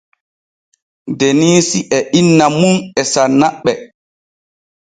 Deniisi e inna mum e sanna ɓe.